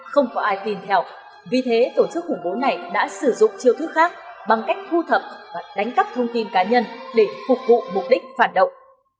không có ai tin theo vì thế tổ chức khủng bố này đã sử dụng chiêu thức khác bằng cách thu thập và đánh cắp thông tin cá nhân để phục vụ mục đích phản động